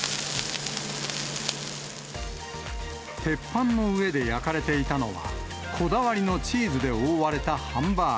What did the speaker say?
鉄板の上で焼かれていたのは、こだわりのチーズで覆われたハンバーグ。